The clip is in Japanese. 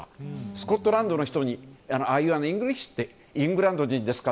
スコットランドの人にアーユーイングリッシュ？とイングランド人ですか？